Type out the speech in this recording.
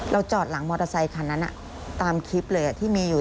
จอดหลังมอเตอร์ไซคันนั้นตามคลิปเลยที่มีอยู่